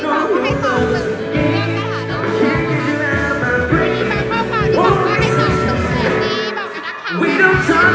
แต่ว่าเกิดว่าเข้าใจผิดจริงหรอ